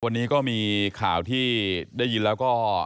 วันนี้ก็มีข่าวที่ได้ยินแล้วก็